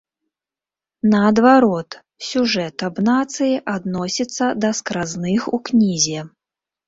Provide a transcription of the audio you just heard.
Наадварот, сюжэт аб нацыі адносіцца да скразных у кнізе.